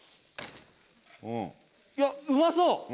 いやうまそう！